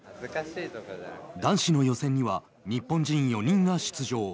男子の予選には日本人４人が出場。